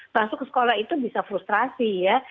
masuk ke sekolah itu bisa frustrasi ya